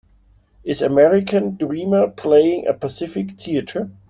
Is American Dreamer playing at Pacific Theatres